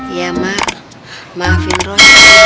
iya mak maafin ruh